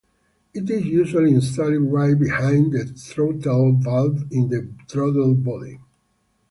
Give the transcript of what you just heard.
It is usually installed right behind the throttle valve in the throttle body.